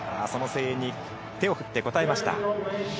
その声援に手を振って応えました。